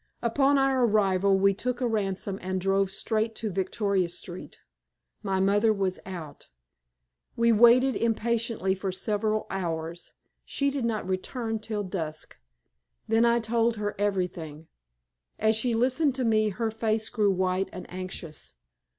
Upon our arrival we took a hansom and drove straight to Victoria Street. My mother was out. We waited impatiently for several hours. She did not return till dusk. Then I told her everything. As she listened to me her face grew white and anxious.